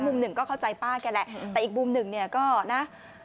มุมหนึ่งก็เข้าใจป้าแกแหละแต่อีกมุมหนึ่งเนี่ยก็นะ